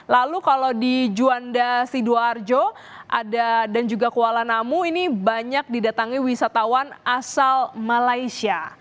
lalu kalau di juanda sidoarjo dan juga kuala namu ini banyak didatangi wisatawan asal malaysia